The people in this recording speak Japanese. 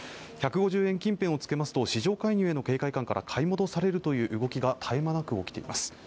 １５０円近辺をつけますと市場介入への警戒感から買い戻されるという動きが絶え間なく起きています